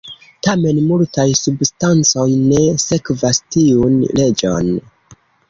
Tamen multaj substancoj ne sekvas tiun leĝon.